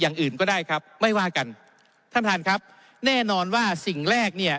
อย่างอื่นก็ได้ครับไม่ว่ากันท่านประธานครับแน่นอนว่าสิ่งแรกเนี่ย